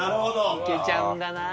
いけちゃうんだなあ。